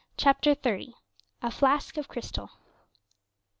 CHAPTER XXX. A FLASK OF CRYSTAL.